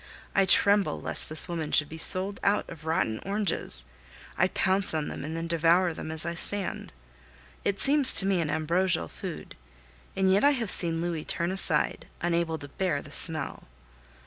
I tremble lest the woman should be sold out of rotten oranges; I pounce on them and devour them as I stand. It seems to me an ambrosial food, and yet I have seen Louis turn aside, unable to bear the smell.